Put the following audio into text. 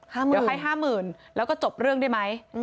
๕หมื่นเดี๋ยวให้๕หมื่นแล้วก็จบเรื่องได้ไหม